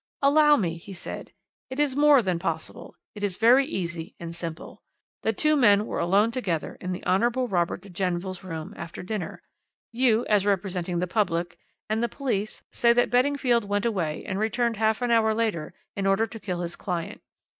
"Allow me," he said, "it is more than possible it is very easy and simple. The two men were alone together in the Hon. Robert de Genneville's room after dinner. You, as representing the public, and the police say that Beddingfield went away and returned half an hour later in order to kill his client.